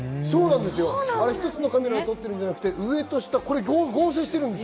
１つのカメラで撮ってるんじゃなくて、上と下、合成してるんです。